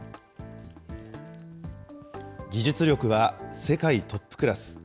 技術力は世界トップクラス。